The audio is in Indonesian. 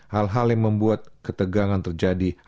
hal hal yang membuat ketegangan terjadi